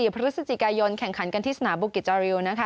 พฤศจิกายนแข่งขันกันที่สนามบุกิจจาริวนะคะ